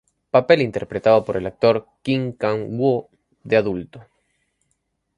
Papel interpretado por el actor Kim Kang-woo de adulto.